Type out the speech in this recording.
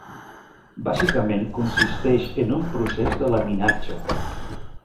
Bàsicament consisteix en un procés de laminatge.